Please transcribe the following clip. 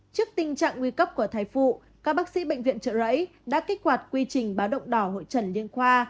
trước tình trạng nguy cấp của thai phụ các bác sĩ bệnh viện trợ rẫy đã kích hoạt quy trình báo động đỏ hội trần liên khoa